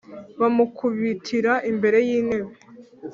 bamukubitira imbere y intebe